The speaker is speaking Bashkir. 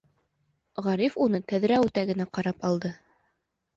Ғариф уны тәҙрә үтә генә ҡарап ҡалды.